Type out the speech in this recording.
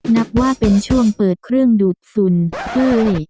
นับว่าเป็นช่วงเปิดเครื่องดูดฝุ่นเฮ้ย